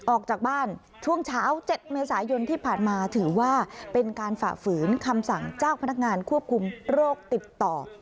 ออกจากบ้านช่วงเช้า๗เมษายนที่ผ่านมาถือว่าเป็นการฝ่าฝืนคำสั่งเจ้าพนักงานควบคุมโรคติดต่อ